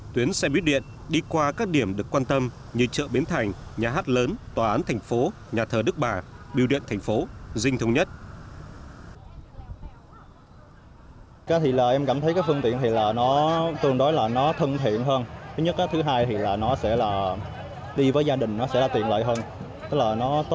tuyến xe buýt điện đi qua các điểm được quan tâm như chợ biến thành nhà hát lớn tòa án thành phố nhà thờ đức bà biểu điện thành phố dinh thông nhất